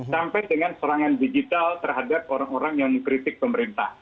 sampai dengan serangan digital terhadap orang orang yang mengkritik pemerintah